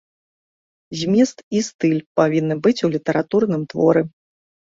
Змест і стыль павінны быць у літаратурным творы.